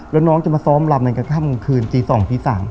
แล้วน้องจะมาซ้อมลำกันข้ามคืนตี๒ตี๓